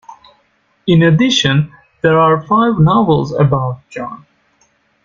In addition, there are five novels about John.